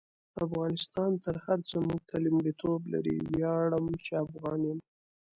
افغانستان تر هر سه مونږ ته لمړیتوب لري: ویاړم چی افغان يم